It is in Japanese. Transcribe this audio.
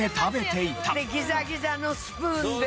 ギザギザのスプーンで。